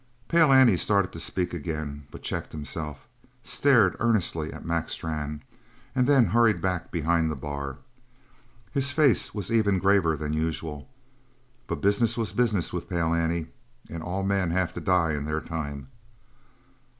Pale Annie started to speak again, but he checked himself, stared earnestly at Mac Strann, and then hurried back behind his bar. His face was even graver than usual; but business was business with Pale Annie and all men have to die in their time!